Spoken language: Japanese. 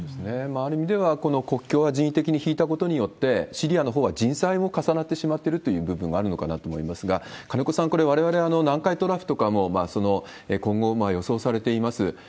ある意味では、この国境を人為的に引いたことによって、シリアのほうは人災も重なってしまってるという部分があるのかなと思いますが、金子さん、これ、われわれ、南海トラフとかも、今後予想されています。